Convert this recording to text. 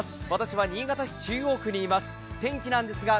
私は新潟市中央区にいます。